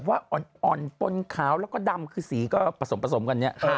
มันอ่อนป้นขาวแล้วก็ดำคือสีก็ผสมกัน